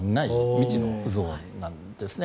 未知のゾーンなんですね。